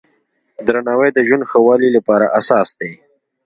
درناوی د ژوند ښه والي لپاره اساس دی.